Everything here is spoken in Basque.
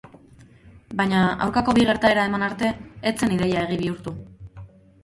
Baina, aurkako bi gertaera eman arte ez zen ideia egi bihurtu.